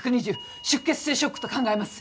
出血性ショックと考えます。